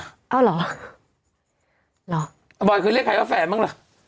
เอาเหรอเหรออาบอยเคยเรียกใครว่าแฟนบ้างล่ะ